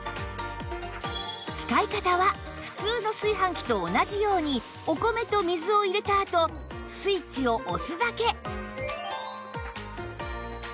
使い方は普通の炊飯器と同じようにお米と水を入れたあとスイッチを押すだけ